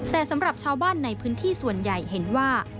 แต่สำหรับชาวบ้านในพื้นที่ส่วนใหญ่เห็นว่า